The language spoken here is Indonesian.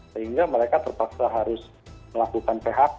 sehingga mereka terpaksa harus melakukan phk